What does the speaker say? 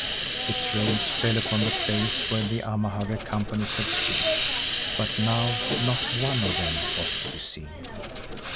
Its rays fell upon the place where the Amahagger companies had stood, but now not one of them was to be seen.